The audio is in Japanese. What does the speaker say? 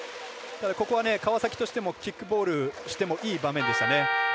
ここは川崎としてもキックボールしてもいい場面でしたね。